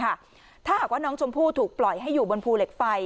ถ้าหากว่าน้องชมพู่ถูกปล่อยให้อยู่บนภูเหล็กไฟ